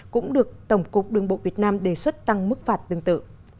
cũng được tổng cục đường bộ việt nam đề xuất tăng mức phạt tương tự